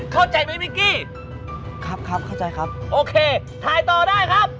เข้าใจไหมมิกกี้ครับครับเข้าใจครับโอเคถ่ายต่อได้ครับ